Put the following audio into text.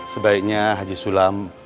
sebaiknya haji sulam